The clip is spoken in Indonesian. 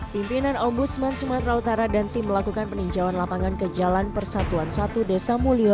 pimpinan ombudsman sumatera utara dan tim melakukan peninjauan lapangan ke jalan persatuan satu desa mulyo